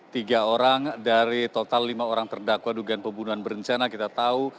tiga orang dari total lima orang terdakwa dugaan pembunuhan berencana kita tahu